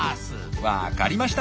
分かりました！